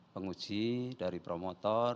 penguji dari promotor